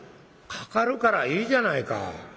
「かかるからいいじゃないか」。